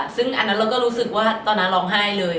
ซึ่งอันนั้นเราก็รู้สึกว่าตอนนั้นร้องไห้เลย